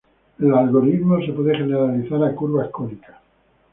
El algoritmo se puede generalizar a curvas cónicas.